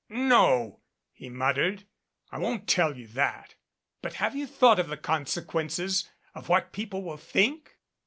"No," he muttered. "I won't tell you that. But have you thought of the consequences? Of what people will think?"